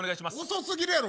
遅すぎるやろ。